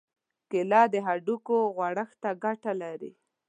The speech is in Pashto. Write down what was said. کېله د هډوکو غوړښت ته ګټه لري.